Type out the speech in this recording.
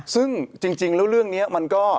ซึ่งจริงแล้วเรื่องนี้มันก็